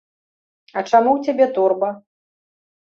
А чаму ў цябе торба?